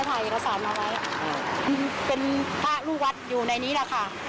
เป็นพระรูปวัดอยู่ในนี้แล้วค่ะ